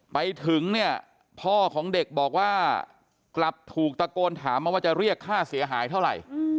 ไปถึงเนี่ยพ่อของเด็กบอกว่ากลับถูกตะโกนถามมาว่าจะเรียกค่าเสียหายเท่าไหร่